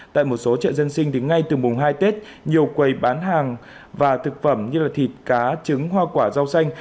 tại một số chợ dân sinh thì ngay từ mùng hai tết nhiều quầy bán hàng và thực phẩm như thịt cá trứng hoa quả rau xanh